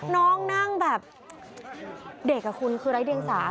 น้องนั่งแบบเด็กคุณคือไร้เดียงสา